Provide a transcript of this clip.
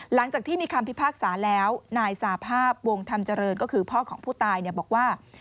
หลังจากที่มีคำพิพากษาแล้วนายสาภาพวงธรรมเจริญก็คือพ่อของผู้ตายบอกว่า